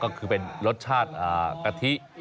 ก็คือเป็นรสชาติกะทิ